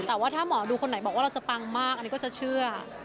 แต่ว่าถ้าหมอดูคนไหนบอกว่าเราจะปังมากอันนี้ก็จะเชื่อ